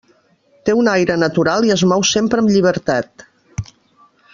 Té un aire natural i es mou sempre amb llibertat.